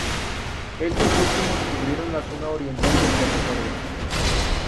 Estos últimos cubrieron la zona Oriental del territorio.